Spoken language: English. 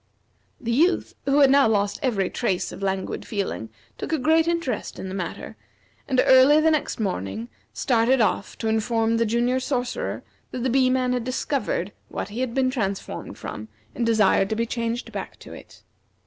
The Youth, who had now lost every trace of languid feeling, took a great interest in the matter, and early the next morning started off to inform the Junior Sorcerer that the Bee man had discovered what he had been transformed from, and desired to be changed back to it.